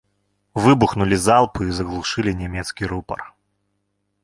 Выбухнулі залпы і заглушылі нямецкі рупар.